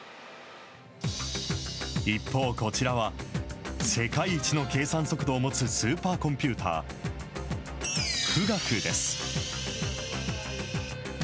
一方、こちらは世界一の計算速度を持つスーパーコンピューター、富岳です。